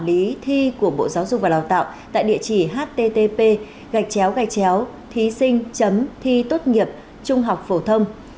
đã có ba trăm chín mươi thí sinh đăng ký thi của bộ giáo dục và đào tạo tại địa chỉ http gạch chéo gạch chéo thí sinh chấm thi tốt nghiệp trung học phổ thông